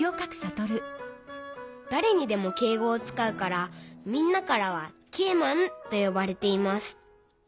だれにでも敬語をつかうからみんなからはＫマンとよばれています。